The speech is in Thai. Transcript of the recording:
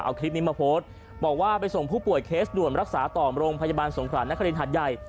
เอาคลิปนี้มาโพสต์บอกว่าไปส่งผู้ป่วยเคสด่วนรักษาต่อโรงพยาบาลสงขรานครินหาดใหญ่